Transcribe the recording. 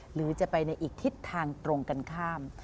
หรือจะไปในอีกทิศทางตรงกันข้าม